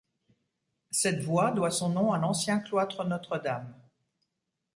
Cette voie doit son nom à l'ancien cloître Notre-Dame.